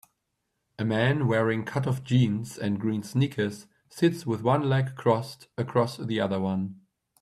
A man wearing cutoff jeans and green sneakers sits with one leg crossed across the other one.